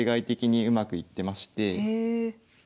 へえ。